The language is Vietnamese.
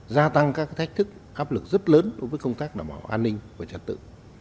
gia tăng các thách thức áp lực rất lớn đối với công tác đảm bảo an ninh và trật tự